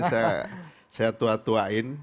jadi saya tua tuain